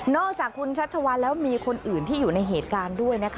อกจากคุณชัชวานแล้วมีคนอื่นที่อยู่ในเหตุการณ์ด้วยนะคะ